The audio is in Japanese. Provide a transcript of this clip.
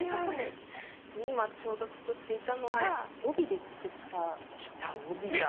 今ちょうど作っていたのが帯で作った。来た！